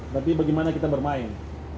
tapi bagaimana kita bermain